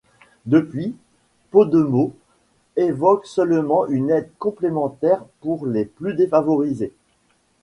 Depuis, Podemos évoque seulement une aide complémentaire pour les plus défavorisés.